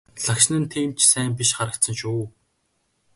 Лагшин нь тийм ч сайн биш харагдсан шүү.